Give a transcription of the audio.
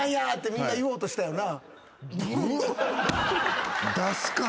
みんな言おうとしたよな。